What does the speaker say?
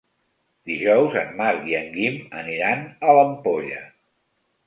Dijous en Marc i en Guim aniran a l'Ampolla.